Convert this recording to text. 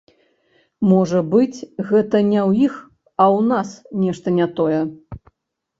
Можа быць, гэта не ў іх, а ў нас нешта не тое?